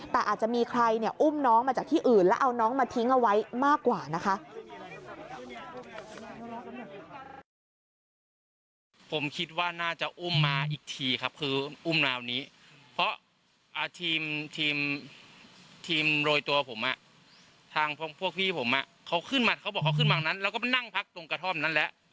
แต่อาจจะมีใครเนี่ยอุ้มน้องมาจากที่อื่นแล้วเอาน้องมาทิ้งเอาไว้มากกว่านะคะ